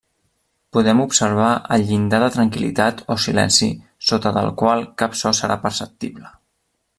Podem observar el llindar de tranquil·litat o silenci sota del qual cap so serà perceptible.